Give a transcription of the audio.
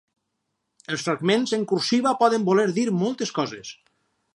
Els fragments en cursiva poden voler dir moltes coses.